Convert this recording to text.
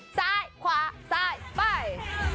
ซ้ายขวาซ้ายไป